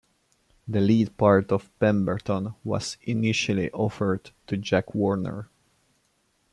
The lead part of Pemberton was initially offered to Jack Warner.